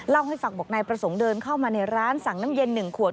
เล่าให้ฟังบอกนายประสงค์เดินเข้ามาในร้านสั่งน้ำเย็น๑ขวด